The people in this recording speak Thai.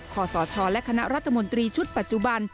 ขอสชและคณะรัฐมนตรีชุดปัจจุบัน